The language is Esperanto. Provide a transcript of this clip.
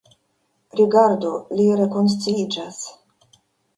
Rigardu: li rekonsciiĝas.